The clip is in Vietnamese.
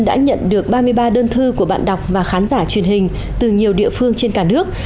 đã nhận được ba mươi ba đơn thư của bạn đọc và khán giả truyền hình từ nhiều địa phương trên cả nước